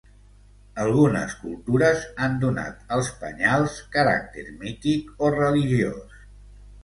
Algunes cultures han donat als penyals caràcter mític o religiós.